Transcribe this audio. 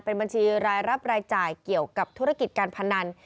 เป็นบัญชีรายรับรายจ่ายเกี่ยวกับธุรกิจการพนัน